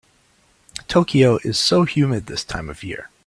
Tokyo is so humid this time of year.